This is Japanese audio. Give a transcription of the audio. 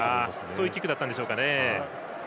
そういうキックだったんでしょうか。